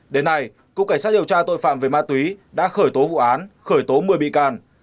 đến nay cục cảnh sát điều tra tội phạm về ma túy đã khởi tố vụ án khởi tố một mươi bị can